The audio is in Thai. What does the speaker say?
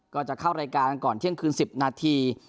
ก็จะเข้ารายการก่อนเที่ยงคืน๑๐นาที